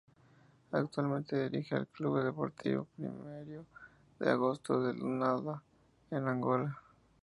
Actualmente dirige al Clube Desportivo Primeiro de Agosto de Luanda en Angola.